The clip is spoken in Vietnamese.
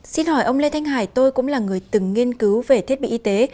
xin hỏi ông lê thanh hải tôi cũng là người từng nghiên cứu về thiết bị y tế